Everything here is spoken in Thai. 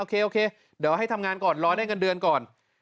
โอเคเดี๋ยวให้ทำงานก่อนรอได้เงินเดือนก่อน